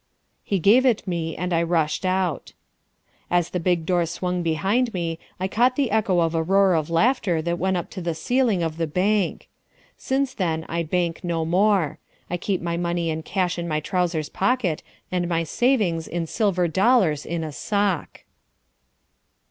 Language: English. He gave it me and I rushed out. As the big door swung behind me I caught the echo of a roar of laughter that went up to the ceiling of the bank. Since then I bank no more. I keep my money in cash in my trousers pocket and my savings in silver dollars in a sock.